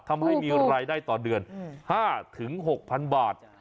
ทำให้มีรายได้ต่อเดือน๕๖๐๐๐บาท